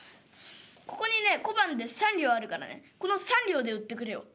ここにね小判で三両あるからねこの三両で売ってくれよ」。